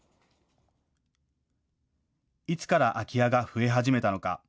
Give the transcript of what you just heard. いつから空き家が増え始めたのか。